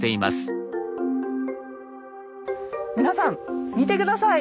皆さん見て下さい。